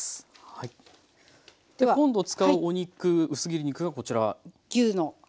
今度使うお肉薄切り肉がこちら。